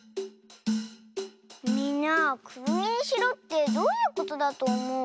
みんなくるみにしろってどういうことだとおもう？